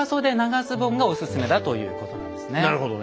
なるほどね。